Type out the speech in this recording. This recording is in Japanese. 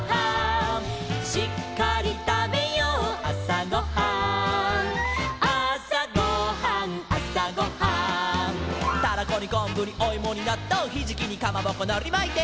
「しっかりたべようあさごはん」「あさごはんあさごはん」「タラコにこんぶにおいもになっとう」「ひじきにかまぼこのりまいて」